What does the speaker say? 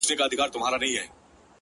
• مامې په سکروټو کې خیالونه ورلېږلي وه,